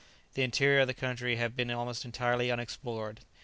The interior of the country had been almost entirely unexplored.